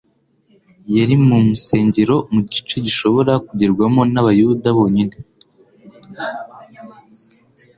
yari mu msengero mu gice gishobora kugerwamo n'abayuda bonyine;